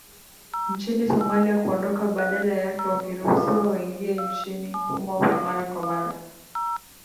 nchini Somalia kuondoka badala yake wakiruhusiwa waingie nchini humo mara kwa mara